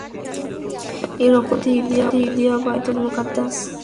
এর অপর নাম মসজিদে ঈলিয়া— বায়তুল মুকাদ্দাস।